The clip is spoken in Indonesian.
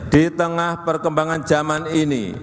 di tengah perkembangan zaman ini